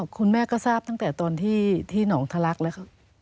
คุณแม่ก็ทราบตั้งแต่ตอนที่หนองทะลักแล้ว